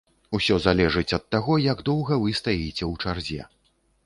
Усё залежыць ад таго, як доўга вы стаіце ў чарзе.